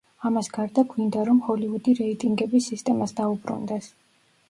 ამას გარდა, „გვინდა, რომ ჰოლივუდი რეიტინგების სისტემას დაუბრუნდეს.